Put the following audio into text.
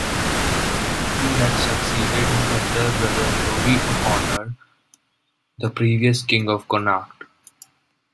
He had succeeded his elder brother Rory O'Connor the previous King of Connacht.